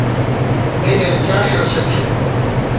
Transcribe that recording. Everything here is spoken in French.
Mais elles cachent un secret.